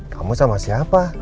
kamu sama siapa